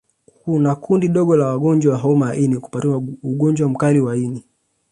Kuna kundi dogo la wagonjwa wa homa ya ini hupata ugonjwa mkali wa ini